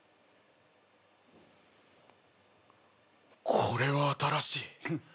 これは新しい。